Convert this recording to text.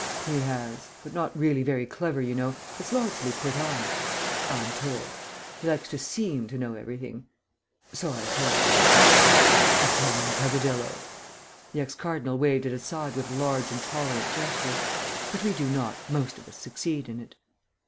"He has. But not really very clever, you know. It's largely put on.... I'm told. He likes to seem to know everything ... so I've heard." "A common peccadillo." The ex cardinal waved it aside with a large and tolerant gesture. "But we do not, most of us, succeed in it."